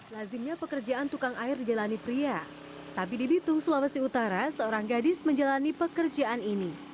lazimnya pekerjaan tukang air dijalani pria tapi di bitung sulawesi utara seorang gadis menjalani pekerjaan ini